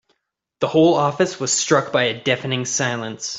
The whole office was struck by a deafening silence.